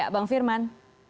ya bang firman